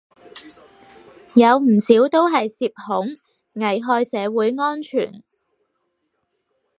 有唔少都係涉恐，危害社會安全